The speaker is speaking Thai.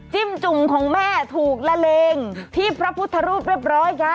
จุ่มของแม่ถูกละเลงที่พระพุทธรูปเรียบร้อยค่ะ